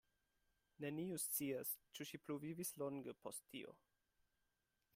Neniu scias ĉu ŝi pluvivis longe post tio.